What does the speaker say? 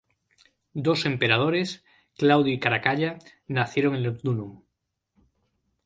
Dos emperadores, Claudio y Caracalla, nacieron en Lugdunum.